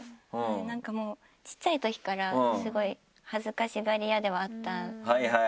なんかもう小っちゃいときからスゴい恥ずかしがり屋ではあったんですよ。